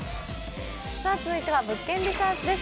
続いては「物件リサーチ」です。